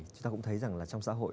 chúng ta cũng thấy rằng là trong xã hội